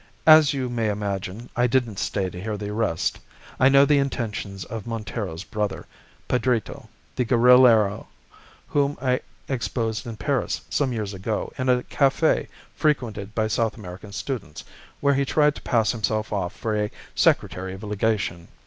As you may imagine, I didn't stay to hear the rest. I know the intentions of Montero's brother, Pedrito, the guerrillero, whom I exposed in Paris, some years ago, in a cafe frequented by South American students, where he tried to pass himself off for a Secretary of Legation.